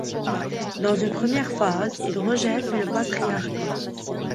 Dans une première phase, il rejette le patriarcat.